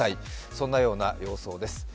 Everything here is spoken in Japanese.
そんなような様相です。